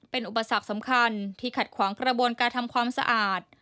เป็นอุปสรรคสำคัญที่ขัดขวางกระบวนการทำความสะอาด